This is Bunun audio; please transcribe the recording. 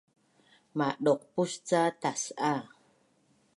Madauqpus ca tas’a